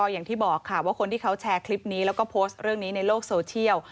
อย่างที่บอกค่ะว่าคนที่เขาแชร์คลิปนี้แล้วก็โพสต์เรื่องนี้ในโลกโซเชียล